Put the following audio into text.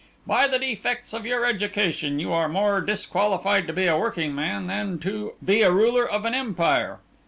By the defects of your education you are more disqualified to be a working man than to be the ruler of an empire.